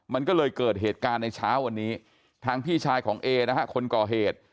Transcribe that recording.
มันก็เลยเกิดเหตุการณ์ในเช้าวันนี้ทางพี่ชายของเอนะฮะคนก่อเหตุ